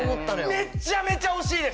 めちゃめちゃ惜しいです！